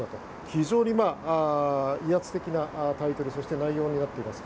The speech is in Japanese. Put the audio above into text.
非常に威圧的なタイトルそして内容になっています。